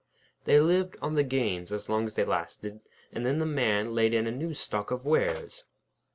They lived on the gains as long as they lasted, and then the Man laid in a new stock of wares.